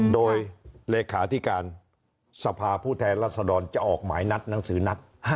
โดยเลขาธิการสภาผู้แทนรัศดรจะออกหมายนัดหนังสือนัด